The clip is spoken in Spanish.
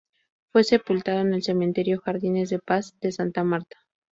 Fue sepultado en el cementerio Jardines de Paz de Santa Marta.